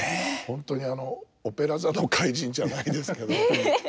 本当にあの「オペラ座の怪人」じゃないですけど。え。